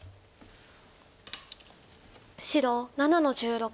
白７の十六。